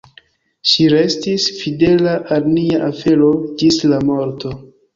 Ŝi restis fidela al nia afero ĝis la morto.